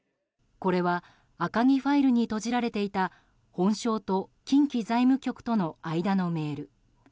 これは、赤木ファイルにとじられていた本省と近畿財務局との間のメール。